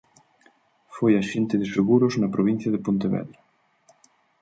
Foi axente de seguros na provincia de Pontevedra.